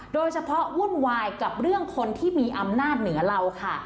วุ่นวายกับเรื่องคนที่มีอำนาจเหนือเราค่ะ